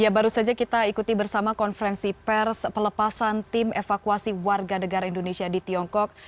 ya baru saja kita ikuti bersama konferensi pers pelepasan tim evakuasi warga negara indonesia di tiongkok